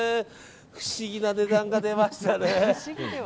不思議な値段が出ましたね。